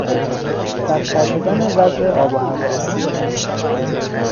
بدتر شدن وضع آب و هوا